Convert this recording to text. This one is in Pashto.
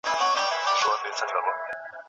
د هغو ونو پر څانګو نه کیني،